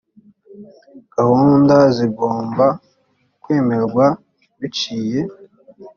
gahunda zigomba kwemerwa biciye